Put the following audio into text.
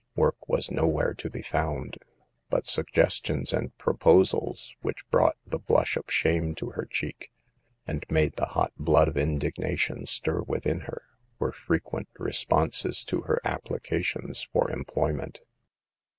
Work was nowhere to be found ; but sugges tions and proposals which brought the blush of shame to her cheek, and made the hot blood of indignation stir within her, were fre quent responses to her applications for employ ment.